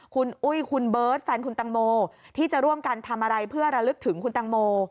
คุณอุ้ยคุณเบิร์ตแฟนคุณตังโมที่จะร่วมกันทำอะไรเพื่อระลึกถึงคุณตังโม